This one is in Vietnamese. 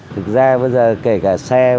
thực ra bây giờ kể cả xe